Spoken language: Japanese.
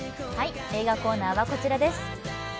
映画コーナーはこちらです。